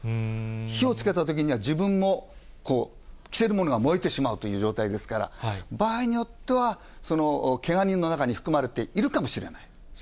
火をつけたときには自分もこう、着てる物が燃えてしまうという状況ですから、場合によっては、けが人の中に含まれているかもしれない。